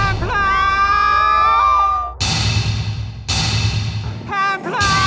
กลับไปก่อนเลยนะครับ